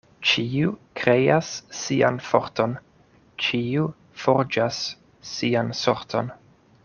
Ĉiu kreas sian forton, ĉiu forĝas sian sorton.